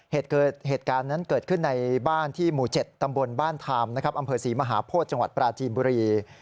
เหตุการณ์นั้นเกิดขึ้นในบ้านที่หมู่๗ตำบลบ้านทามนะครับอำเภอศรีมหาโพธิจังหวัดปราจีนบุรี